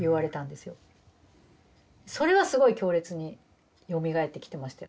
それはすごい強烈によみがえってきてましたよ。